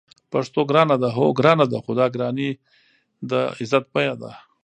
پښتو ګرانه ده؟ هو، ګرانه ده؛ خو دا ګرانی د عزت بیه ده